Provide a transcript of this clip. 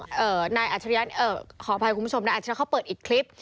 ขออภัยกับคุณผู้ชมนายอาชริยะเขาเปิดอีกคลิป